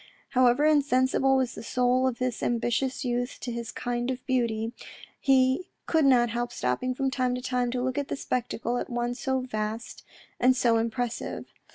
However insensible was the soul of this ambitious youth to this kind of beauty, he could not help stopping from time to time to look at a spectacle at once so vast and so impressive.